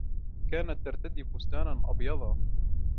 كانت ترتدي فستاناً أبيضاً.